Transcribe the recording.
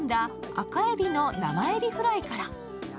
赤海老の生エビフライから。